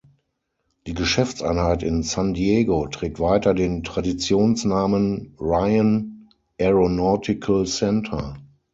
Die Geschäftseinheit in San Diego trägt weiter den Traditionsnamen Ryan Aeronautical Center.